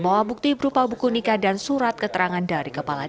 dengan membawa bukti berupa buku nikah dan surat keterangan dari kepala desa